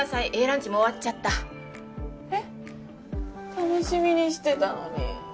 楽しみにしてたのに。